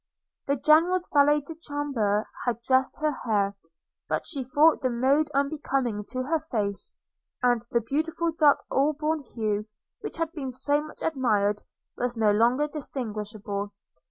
The General's valet de chambre had dressed her hair; but she thought the mode unbecoming to her face, and the beautiful dark auburn hue, which had been so much admired, was no longer distinguishable.